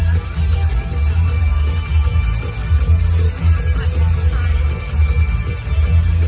มันเป็นเมื่อไหร่แล้ว